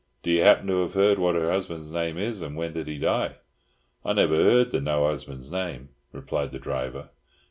Do you happen to have heard what her husband's name is? And when did he die?" "I never heard the noo husband's name," replied the driver.